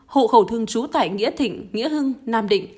hộ khẩu thương chú tại nghĩa thịnh nghĩa hưng nam định